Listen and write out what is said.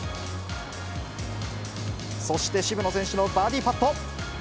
そして渋野選手のバーディーパット。